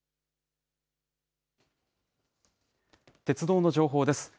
鉄道の情報です。